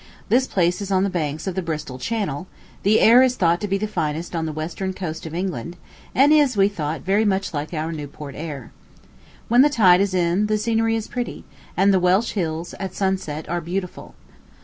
This place is on the banks of the Bristol Channel; the air is thought to be the finest on the western coast of England, and is, we thought, very much like our Newport air. When the tide is in the scenery is pretty, and the Welsh hills; at sunset are beautiful.